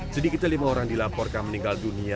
sedikitnya lima orang dilaporkan meninggal dunia